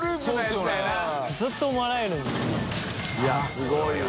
すごいわ。